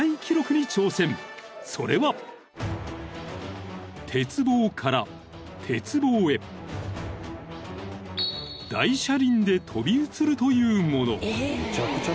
［それは鉄棒から鉄棒へ大車輪で飛び移るというもの］